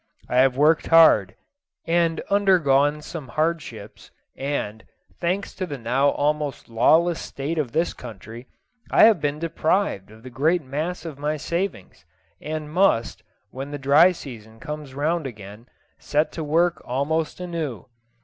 I have worked hard, and undergone some hardships, and, thanks to the now almost lawless state of this country, I have been deprived of the great mass of my savings, and must, when the dry season comes round again, set to work almost anew.